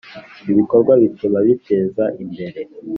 ibikorwa bituma biteza imbere